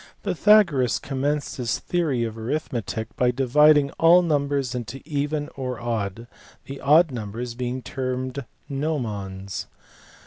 Pythagoras commenced his theory of arithmetic by dividing 11 numbers into even or odd : the odd numbers being termed nomons.